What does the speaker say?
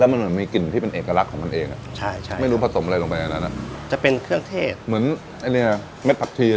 อ่ะมีมีมีราบผักชียะโหดสุดยอดครับ